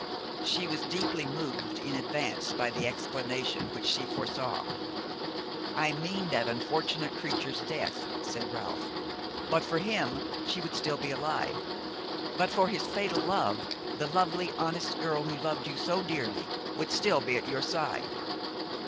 She was deeply moved in advance by the explanation which she foresaw. "I mean that unfortunate creature's death," said Ralph. "But for him she would still be alive; but for his fatal love the lovely, honest girl who loved you so dearly would still be at your side."